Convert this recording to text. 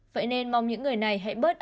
vậy nên mong những người này hãy bớt